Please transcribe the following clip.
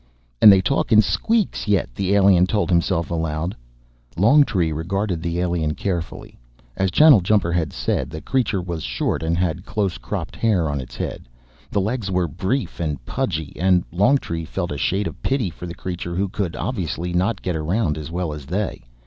"And they talk in squeaks yet!" the alien told himself aloud. Longtree regarded the alien carefully. As Channeljumper had said, the creature was short and had close cropped hair on its head. The legs were brief and pudgy, and Longtree felt a shade of pity for the creature who could obviously not get around as well as they.